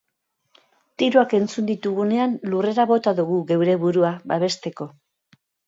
Tiroak entzun ditugunean lurrera bota dugu geure burua, babesteko.